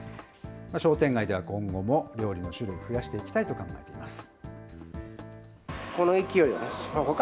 商店街では今後も料理の種類、増やしていきたいと考えています。